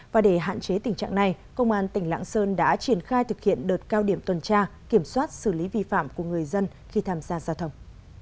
và để hạn chế tình trạng này công an tỉnh lạng sơn đã triển khai thực hiện đợt cao điểm tuần tra kiểm soát xử lý vi phạm của người dân khi tham gia giao thông